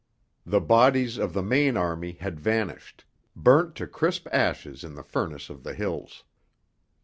The bodies of the main army had vanished burnt to crisp ashes in the furnace of the hills.